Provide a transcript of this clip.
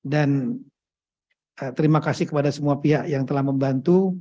dan terima kasih kepada semua pihak yang telah membantu